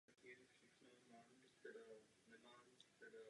Jejich účelem bylo ověřit koncepci autobusu zcela nové konstrukce.